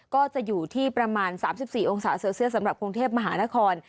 ก็จะอยู่ที่ประมาณ๓๔องศาเซลเซียสสำหรับกรุงเทพมหานคร